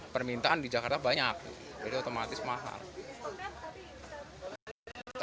permintaan di jakarta banyak jadi otomatis mahal